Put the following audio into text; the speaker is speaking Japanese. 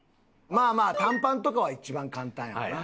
まあまあ短パンとかは一番簡単やろな。